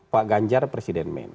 pak ganjar presiden men